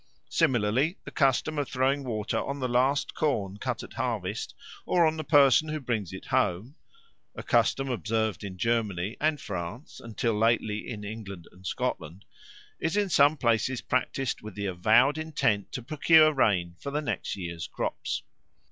Similarly the custom of throwing water on the last corn cut at harvest, or on the person who brings it home (a custom observed in Germany and France, and till lately in England and Scotland), is in some places practised with the avowed intent to procure rain for the next year's crops.